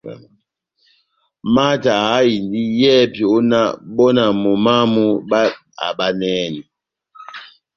Mata aháhindi yɛ́hɛ́pi ó náh bɔ náh momó wamu báháhabanɛhɛni.